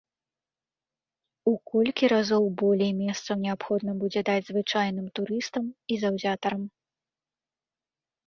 У колькі разоў болей месцаў неабходна будзе даць звычайным турыстам і заўзятарам.